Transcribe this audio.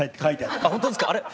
あっ本当ですかあれ？